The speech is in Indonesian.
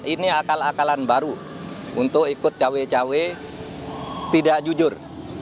ini akal akalan baru untuk ikut cawe cawe tidak jujur